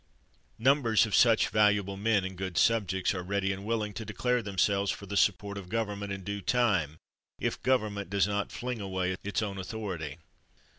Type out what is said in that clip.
Num bers of such valuable men and good subjects are ready and willing to declare themselves for the support of government in due time, if gov ernment does not fling away its own authority.